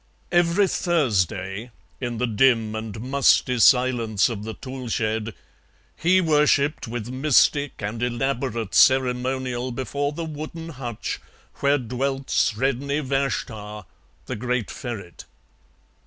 Every Thursday, in the dim and musty silence of the tool shed, he worshipped with mystic and elaborate ceremonial before the wooden hutch where dwelt Sredni Vashtar, the great ferret.